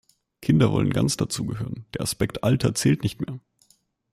Kinder wollen ganz dazu gehören, der Aspekt Alter zählt nicht mehr.